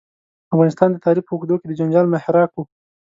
افغانستان د تاریخ په اوږدو کې د جنجال محراق و.